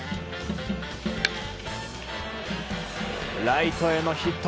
ライトへのヒット。